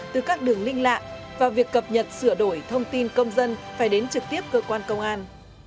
từ các đường linh lạ và việc cập nhật sửa đổi thông tin công dân phải đến trực tiếp cơ quan công an